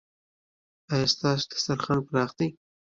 ایا ستاسو دسترخوان پراخ دی؟